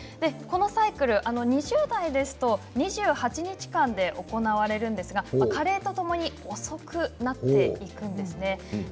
このサイクル、２０代ですと２８日間で行われるんですが加齢とともに遅くなっていくんですね。